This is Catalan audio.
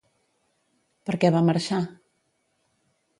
Per què va marxar?